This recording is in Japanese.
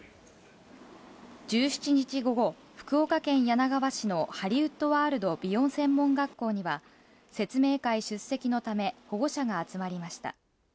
１７日午後、福岡県柳川市のハリウッドワールド美容専門学校には、説明会出席のため、保護者が集まりました。